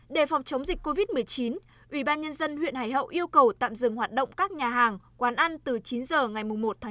đề phòng chống dịch covid một mươi chín ủy ban nhân dân huyện hải hậu yêu cầu tạm dừng hoạt động các nhà hàng quán ăn từ chín h ngày một chín